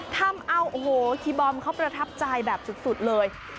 ทำเอาโอ้โหคีย์บอมเขาประทับใจแบบสุดเลย